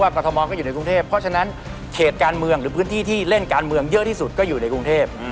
เพราะฉะนั้นเขตการเมืองหรือพื้นที่ที่เล่นการเมืองเยอะที่สุดก็อยู่ในกรุงเทพ